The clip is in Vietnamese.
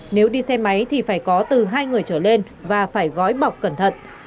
nếu đi xe máy thì phải có từ hai người trở lên và phải gói bọc cẩn thận